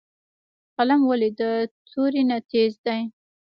قلم ولې د تورې نه تېز دی؟